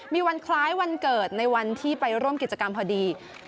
มีวันคล้ายวันเกิดในวันที่ไปร่วมกิจกรรมพอดี